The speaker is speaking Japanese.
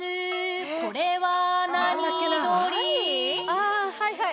あっはいはい。